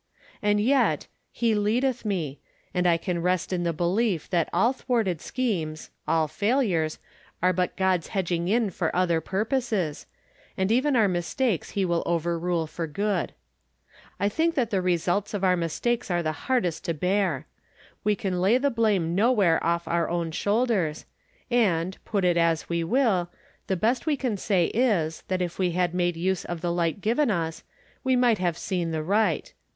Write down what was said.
And yet, " He leadcth me," and I can rest in the belief that all thwarted schemes — all failures — are but God's hedging in for other purposes, and even our mis takes he will overrule for good. I think that the results of our mistakes are the hardest to bear. Y/'e can lay the blame nowhere off our own shoul ders, and, put it as we will, the best we can say is, that if wo had made use of the light given us, we' might have seen the right.